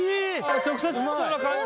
直接きそうな感じ。